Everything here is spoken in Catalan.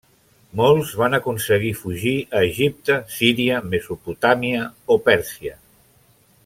Molts van aconseguir fugir a Egipte, Síria, Mesopotàmia, o Pèrsia.